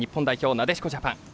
なでしこジャパン。